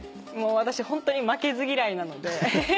私ホントに負けず嫌いなので。